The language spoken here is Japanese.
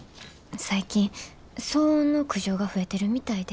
最近騒音の苦情が増えてるみたいで。